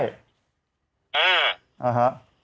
ออฮ๊ะ